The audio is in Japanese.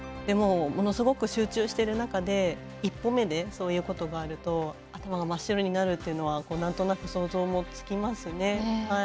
でも、ものすごく集中してる中で１歩目で、そういうことがあると頭が真っ白になるっていうのはなんとなく想像もつきますね。